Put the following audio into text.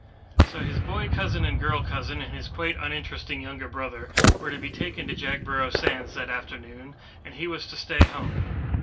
So his boy cousin and girl cousin and his quite uninteresting younger brother were to be taken to Jagborough sands that afternoon and he was to stay at home.